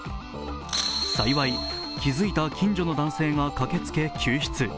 幸い、気づいた近所の男性が駆けつけ救出。